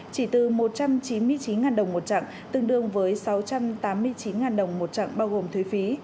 chỉ từ một trăm chín mươi chín đồng một chặng tương đương với sáu trăm tám mươi chín đồng một chặng bao gồm thuế phí